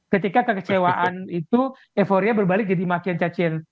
ketika kekecewaan itu euforia berbalik jadi makin cacil